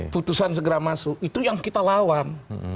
putusan segera masuk itu yang kita lawan